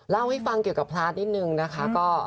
เล่าให้ฟังเกี่ยวกับพระนิดนึงนะคะ